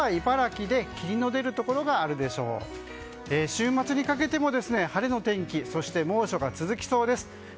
週末にかけても晴れの天気そして猛暑が続きそうです。